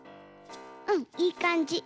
うんいいかんじ。